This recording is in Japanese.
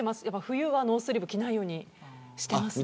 冬はノースリーブ着ないようにしています。